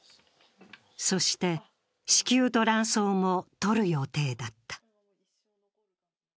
そして、子宮と卵巣もとる予定だった。